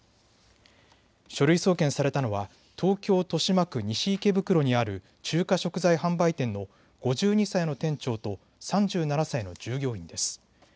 書類送検されたのは東京豊島区西池袋にある中華食材販売店の５２歳の店長と３７歳の従業員です。